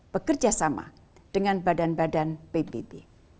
bekerja sama dengan badan badan pbb